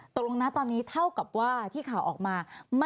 ตกลงนะตอนนี้เท่ากับว่าที่ข่าวออกมา